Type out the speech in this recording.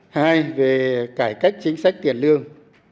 hai về cải cách chính sách tiền lương